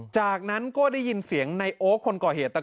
จากนั้นก็ได้ยินเสียงในโอ๊คคนก่อเหตุ